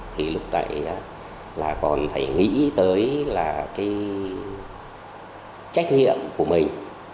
thì lúc đấy là còn phải nghĩ tới là cái trách nhiệm của mình